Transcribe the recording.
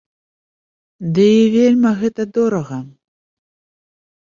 Ды і вельмі гэта дорага.